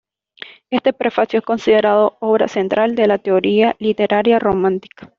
Este Prefacio es considerado obra central de la teoría literaria romántica.